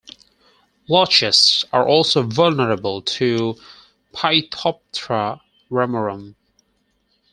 Larches are also vulnerable to "Phytophthora ramorum".